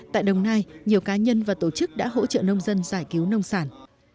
tại đồng nai nhiều cá nhân và tổ chức đã hỗ trợ nông dân giải cứu nông sản